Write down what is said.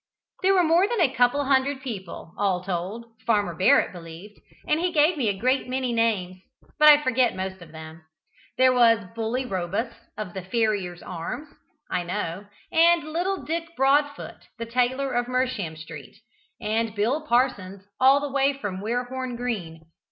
There were more than a couple of hundred people, all told, Farmer Barrett believed, and he gave me a great many names, but I forget most of them. There was Bully Robus, of the "Farriers' Arms," I know, and little Dick Broadfoot, the tailor, of Mersham Street, and Bill Parsons, all the way from Warehorne Green.